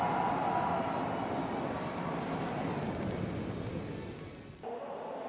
สวัสดีครับทุกคน